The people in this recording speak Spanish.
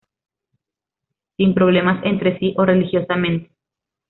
Sin problemas entre sí o religiosamente.